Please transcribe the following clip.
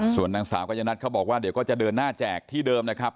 ส่วนนางสาวกัญญนัทเขาบอกว่าเดี๋ยวก็จะเดินหน้าแจกที่เดิมนะครับ